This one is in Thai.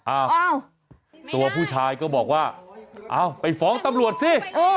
อ้าวตัวผู้ชายก็บอกว่าเอาไปฟ้องตำรวจสิ